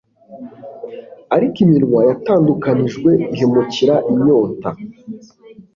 Ariko iminwa yatandukanijwe ihemukira inyota